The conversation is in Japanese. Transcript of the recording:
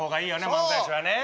漫才師はねえ。